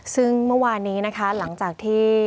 ซึ่งเมื่อวานนี้นะคะหลังจากที่